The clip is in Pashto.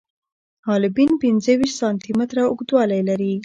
حالبین پنځه ویشت سانتي متره اوږدوالی لري.